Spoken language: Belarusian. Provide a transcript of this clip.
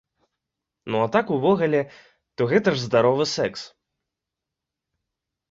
Ну а так увогуле, то гэта ж здаровы сэкс.